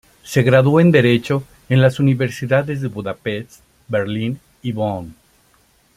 Se graduó en Derecho en las universidades de Budapest, Berlín y Bonn.